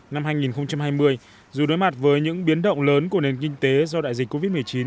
năm hai nghìn hai mươi dù đối mặt với những biến động lớn của nền kinh tế do đại dịch covid một mươi chín